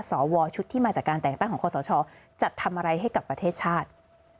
สวชุดที่มาจากการแต่งตั้งของคอสชจะทำอะไรให้กับประเทศชาติ